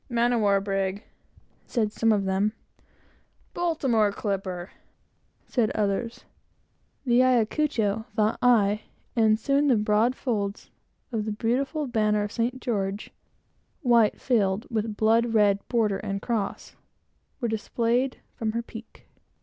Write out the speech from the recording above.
"Man of war brig," said some of them; "Baltimore clipper," said others; the Ayacucho, thought I; and soon the broad folds of the beautiful banner of St. George, white field with blood red border and cross, were displayed from her peak.